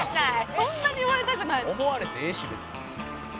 「そんなに言われたくないの？」